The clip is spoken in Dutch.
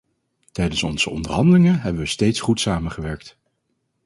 Tijdens onze onderhandelingen hebben we steeds goed samengewerkt.